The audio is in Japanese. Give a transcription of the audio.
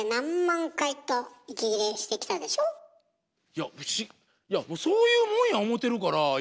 いやいやもうそういうもんや思てるから。